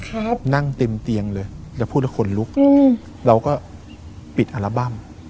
ครับนั่งเต็มเตียงเลยจะพูดว่าคนลุกอืมเราก็ปิดอัลบั้ม